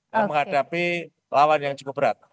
yang menghadapi lawan yang cukup berat